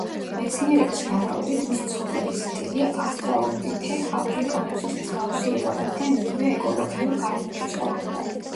მეცნიერების ვარაუდით, მისი ცხოვრების სტილი ავსტრალოპითეკ აფრიკანუსის მსგავსი იყო, რადგან იგივე ეკოლოგიურ გარემოში ცხოვრობდა.